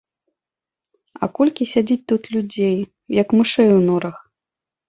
А колькі сядзіць тут людзей, як мышэй у норах.